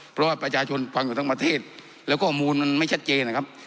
เพราะว่าประชาชนฟังอยู่ทั้งประเทศแล้วข้อมูลมันไม่ชัดเจนนะครับ